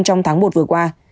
trong tháng một vừa qua